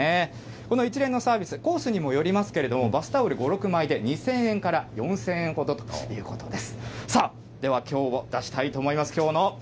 この一連のサービス、コースにもよりますけれども、バスタオルとう５まいで２０００円から４０００円ほどということなんです。